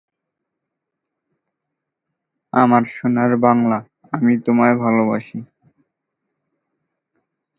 Melbourne টেস্টে নাটকীয়ভাবে পাকিস্তানের শেষ দিনে গুটিয়ে যাওয়ার স্মৃতি তো টাটকাই।